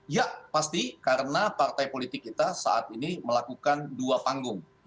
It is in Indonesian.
ya pasti karena partai politik kita saat ini melakukan dua panggung